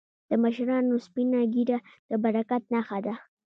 د مشرانو سپینه ږیره د برکت نښه ده.